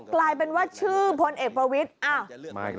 กลายเป็นว่าชื่อพลเอกประวิทธิ์